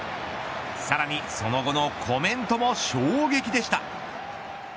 さらにその後のコメントも衝撃でした。